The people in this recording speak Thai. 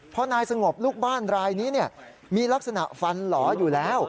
เพราะนายสงบลูกบ้านรายนี้มีลักษณะฟันหลออยู่แล้ว